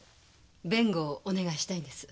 弁護をお願いしたいんです。